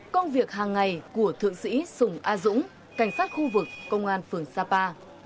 công việc hàng ngày của thượng sĩ sùng a dũng cảnh sát khu vực công an phường sapa